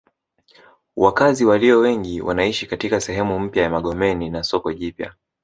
Wakazi walio wengi wanaishi katika sehemu mpya ya Magomeni na soko jipya